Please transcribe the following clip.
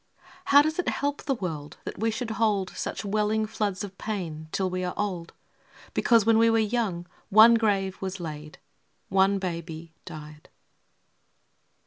How does it help the world that we should hold Such welling floods of pain till we are old, Because when we were young one grave was laid One baby died?